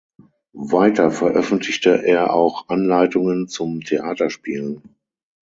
Weiter veröffentlichte er auch Anleitungen zum Theaterspielen.